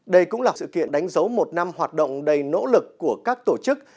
đây cũng là sự kiện đánh dấu một năm hoạt động đầy nỗ lực của các tổ chức